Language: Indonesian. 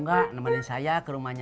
mau gak nemenin saya ke rumahnya